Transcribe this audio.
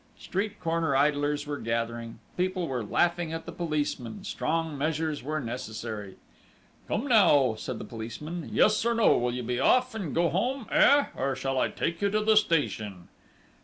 Street corner idlers were gathering, people were laughing at the policeman: strong measures were necessary. "Come now," said the policeman. "Yes, or no! Will you be off, and go home?... Eh!... Or shall I take you to the station?..."